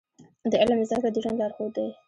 د علم زده کړه د ژوند لارښود دی.